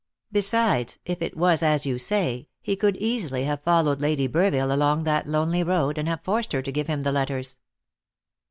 Besides, if it was as you say, he could easily have followed Lady Burville along that lonely road, and have forced her to give him the letters.